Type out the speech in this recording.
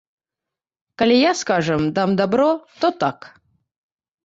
Калі я, скажам, дам дабро, то так.